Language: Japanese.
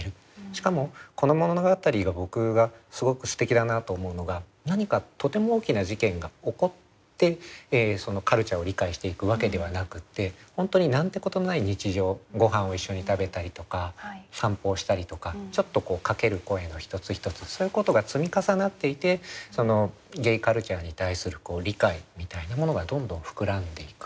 しかもこの物語が僕がすごくすてきだなと思うのが何かとても大きな事件が起こってそのカルチャーを理解していくわけではなくって本当に何てことない日常ごはんを一緒に食べたりとか散歩をしたりとかちょっとかける声の一つ一つそういうことが積み重なっていてそのゲイカルチャーに対する理解みたいなものがどんどん膨らんでいく。